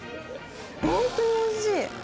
本当においしい。